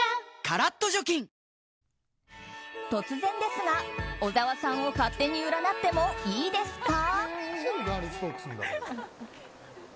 カラッと除菌突然ですが小沢さんを勝手に占ってもいいですか？